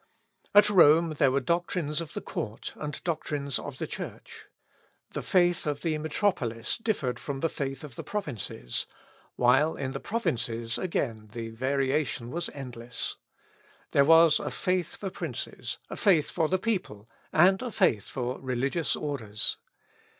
At Rome there were doctrines of the Court, and doctrines of the Church. The faith of the metropolis differed from the faith of the provinces; while in the provinces, again, the variation was endless. There was a faith for princes, a faith for the people, and a faith for religious orders.